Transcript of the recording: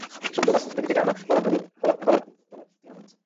সদ্য গাছ থেকে কেটে আনা কলার কাঁদি ট্রলার থেকে নামানো হচ্ছে।